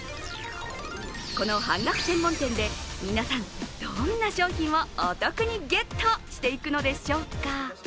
この半額専門店で皆さん、どんな商品をお得にゲットしていくのでしょうか。